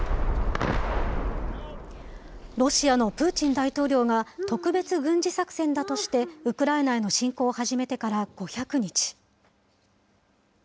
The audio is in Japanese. ロシアのプーチン大統領が特別軍事作戦だとして、ウクライナへの侵攻を始めてから５００日。